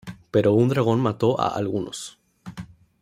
Pero un dragón mató a algunos.